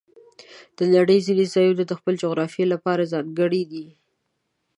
د نړۍ ځینې ځایونه د خپلې جغرافیې لپاره ځانګړي دي.